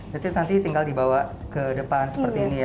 jadi nanti tinggal dibawa ke depan seperti ini ya